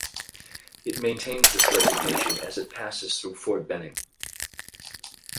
It maintains this designation as it passes through Fort Benning.